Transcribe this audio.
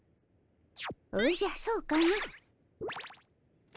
おじゃそうかの。